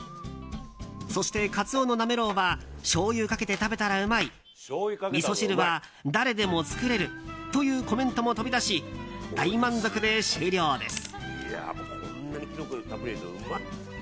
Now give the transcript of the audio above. そして、カツオのなめろうはしょうゆをかけて食べたらうまいみそ汁は誰でも作れるというコメントも飛び出し大満足で終了です。